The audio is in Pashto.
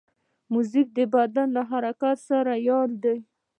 موزیک د بدن له حرکت سره یار دی.